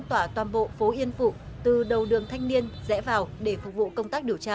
tỏa toàn bộ phố yên phụ từ đầu đường thanh niên rẽ vào để phục vụ công tác điều tra